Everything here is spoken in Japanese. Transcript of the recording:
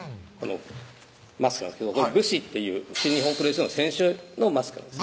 このマスクなんですけどＢＵＳＨＩっていう新日本プロレスの選手のマスクなんです